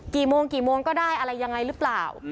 กี่โมงกี่โมงก็ได้อะไรยังไงหรือเปล่า